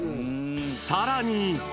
さらに。